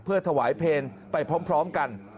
เพื่อถวายเพลงไปพร้อมกัน